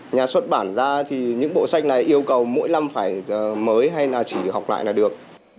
nhà xuất bản ra thì những bộ sách này yêu cầu mỗi năm phải mới hay là chỉ được học lại là được